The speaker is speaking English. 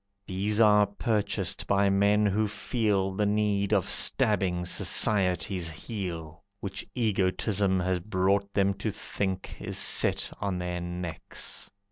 These are purchased by men who feel The need of stabbing society's heel, Which egotism has brought them to think Is set on their necks.